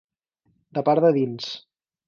De part de dins.